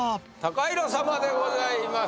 様でございます